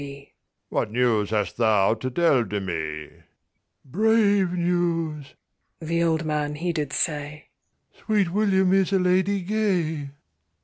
'—'Brave news,' the old man he did say,'Sweet William is a lady gay.